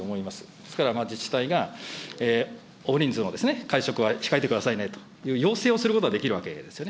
ですから、自治体が、大人数の会食は控えてくださいねという要請をすることはできるわけですよね。